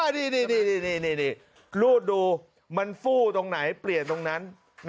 นี่รูดดูมันฟู้ตรงไหนเปลี่ยนตรงนั้น